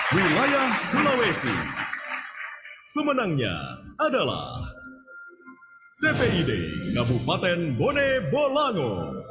wilayah sulawesi pemenangnya adalah cpid kabupaten bone bolango